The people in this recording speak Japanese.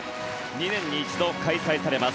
２年に一度開催されます